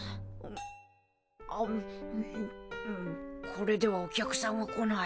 あむうんこれではお客さんは来ない。